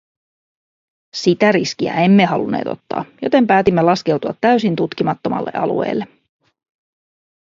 Sitä riskiä emme halunneet ottaa, joten päätimme laskeutua täysin tutkimattomalle alueelle.